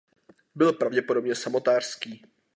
Byl pravděpodobně samotářský.